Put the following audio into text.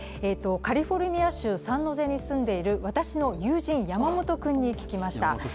カリフォルニア州サンノゼに住んでいる私の友人、山本君に聞きました。